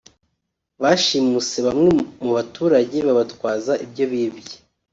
Bashimuse bamwe mu baturage babatwaza ibyo bibye